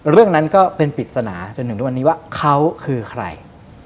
เรื่องนั้นก็เป็นปริศนาจนถึงทุกวันนี้ว่าเขาคือใคร